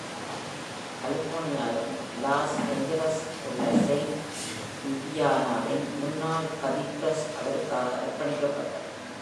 கலிபோர்னியாவின் Los ஏஞ்சல்ஸில் உள்ள Saint விபியானாவின் முன்னாள் கதீட்ரல் அவருக்காக அர்ப்பணிக்கப்பட்டது.